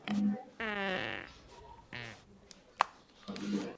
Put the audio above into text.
Kila nchi itapaswa kuwa na mpango mkakati wa namna ya kutekeleza baadhi ya malengo